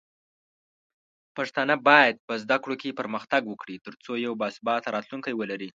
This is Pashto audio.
پښتانه بايد په زده کړو کې پرمختګ وکړي، ترڅو یو باثباته راتلونکی ولري.